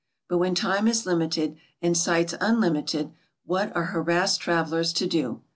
But when time is limited and sights unlimited what are harassed travellers to do?